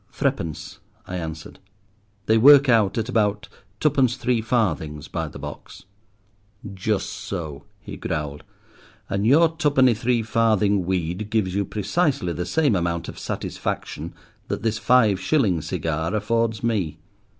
"Threepence," I answered. "They work out at about twopence three farthings by the box." "Just so," he growled; "and your twopenny three farthing weed gives you precisely the same amount of satisfaction that this five shilling cigar affords me.